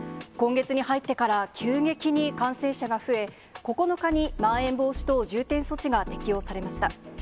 今月に入ってから、急激に感染者が増え、９日にまん延防止等重点措置が適用されました。